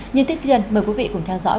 nhưng tiếp tiên mời quý vị cùng theo dõi